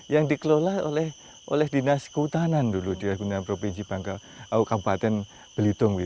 yang dikelola oleh dinas kehutanan dulu di kabupaten belitung